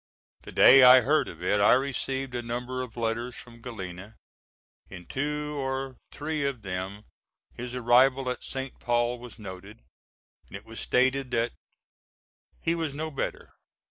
The day I heard of it, I received a number of letters from Galena. In two or three of them his arrival at St. Paul was noted, and it was stated that he was no better.